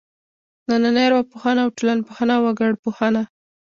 نننۍ ارواپوهنه او ټولنپوهنه او وګړپوهنه.